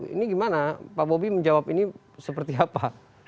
ini gimana pak bobi menjawab ini seperti apa